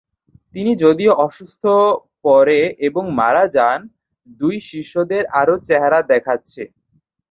তিনি যদিও অসুস্থ পড়ে, এবং মারা যান, দুই শিষ্যদের আরও চেহারা দেখাচ্ছে।